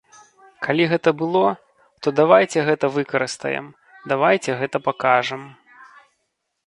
Калі гэта было, то давайце гэта выкарыстаем, давайце гэта пакажам.